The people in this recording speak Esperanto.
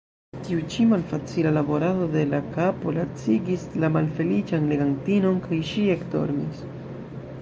Tiu ĉi malfacila laborado de la kapo lacigis la malfeliĉan legantinon, kaj ŝi ekdormis.